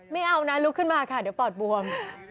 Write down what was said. ไม่เอานะลุกขึ้นมาค่ะเดี๋ยวปอดบวม